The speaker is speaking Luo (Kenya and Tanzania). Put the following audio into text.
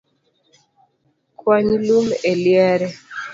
Kwany lum e liare